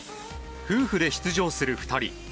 夫婦で出場する２人。